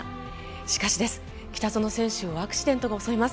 しかし、北園選手をアクシデントが襲います。